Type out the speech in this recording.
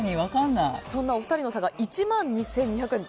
そんなお二人の差が１万２２００円。